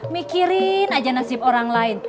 mikirin aja nasib orang lain